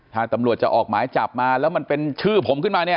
ถ้าตำรวจจะออกหมายจับมาแล้วมันเป็นชื่อผมขึ้นมาเนี่ย